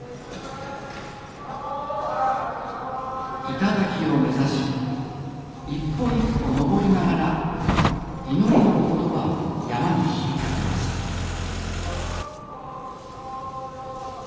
頂を目指し一歩一歩登りながら祈りの言葉を山に響かせます六根清浄。